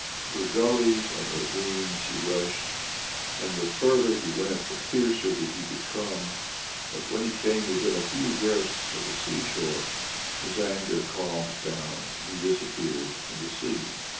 Through gullies and ravines he rushed, and the further he went the fiercer did he become. But when he came within a few versts of the sea shore, his anger calmed down and he disappeared in the sea.